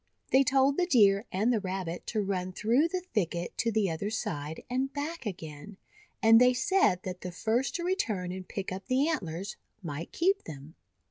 They told the Deer and the Rabbit to run through the thicket to the other side, and back again; and they said that the first to re turn and pick up the antlers, might keep them.